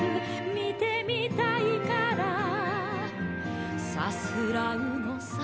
「見てみたいからさすらうのさ」